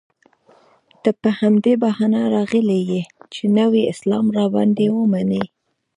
ته په همدې بهانه راغلی یې چې نوی اسلام را باندې ومنې.